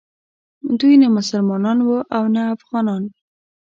دوی نه مسلمانان وو او نه افغانان.